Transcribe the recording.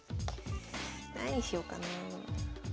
何しようかな。